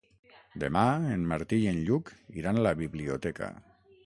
Demà en Martí i en Lluc iran a la biblioteca.